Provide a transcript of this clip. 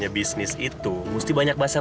bapak kamu ini apa sih